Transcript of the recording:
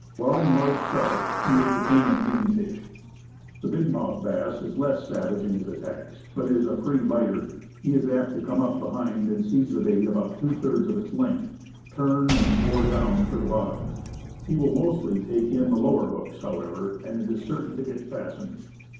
Barring large trout, he is the king of 62 Woodcraft, game fish. The big mouthed bass is less savage in his attacks, but is a free biter. He is apt to come up behind and seize the bait about two thirds of its length, turn, and bore down for the bottom. He will mostly take in the lower hooks, however, and is cer tain to get fastened.